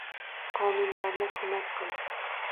Qonunlarni hurmat qil!